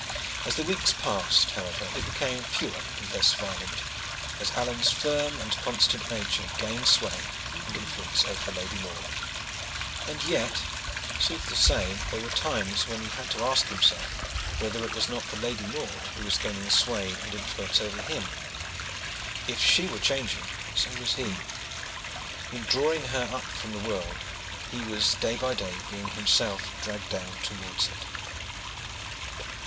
As the weeks passed, however, they became fewer and less violent, as Alleyne's firm and constant nature gained sway and influence over the Lady Maude. And yet, sooth to say, there were times when he had to ask himself whether it was not the Lady Maude who was gaining sway and influence over him. If she were changing, so was he. In drawing her up from the world, he was day by day being himself dragged down towards it.